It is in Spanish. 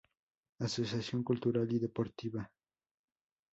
Asociación Cultural y Deportiva Nª Sra.